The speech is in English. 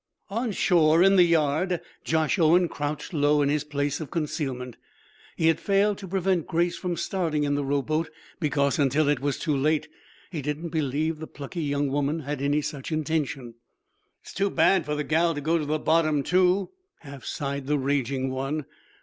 On shore, in the yard, Josh Owen crouched low in his place of concealment. He had failed to prevent Grace from starting in the rowboat because, until it was too late, he did not believe the plucky young woman had any such intention. "It's too bad for the gal to go to the bottom, too," half sighed the raging one.